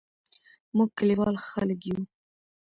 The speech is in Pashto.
موږ کلیوال خلګ یو